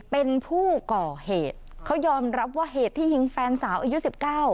เป็นผู้ก่อเหตุเขายอมรับว่าเหตุที่ยิงแฟนสาวอายุสิบเก้า